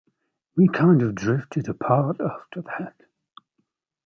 We kind of drifted apart after that.